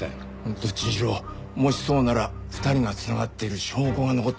どっちにしろもしそうなら２人が繋がってる証拠が残ってるはずだ。